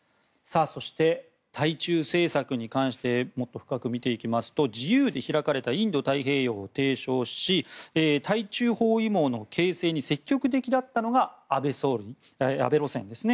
そして、対中政策に関してもっと深く見ていきますと自由で開かれたインド太平洋を提唱し対中包囲網の形成に積極的だったのが安倍総理、安倍路線でした。